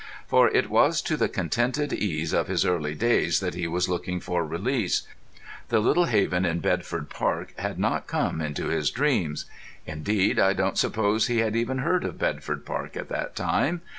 For it was to the contented ease of his early days that he was looking for release; the little haven in Bedford Park had not come into his dreams. Indeed, I don't suppose he had even heard of Bedford Park at that time.